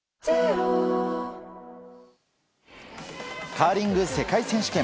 カーリング世界選手権。